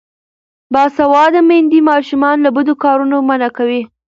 باسواده میندې ماشومان له بدو کارونو منع کوي.